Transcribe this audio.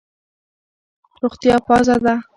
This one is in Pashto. روغتیا پازه ده.